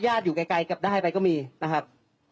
อยู่ไกลกลับได้ไปก็มีนะครับ